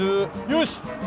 よし！